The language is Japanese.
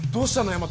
大和。